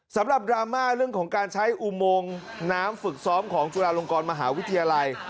ดราม่าเรื่องของการใช้อุโมงน้ำฝึกซ้อมของจุฬาลงกรมหาวิทยาลัย